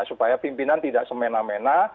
supaya pimpinan tidak semena mena